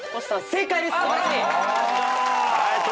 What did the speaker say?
正解です。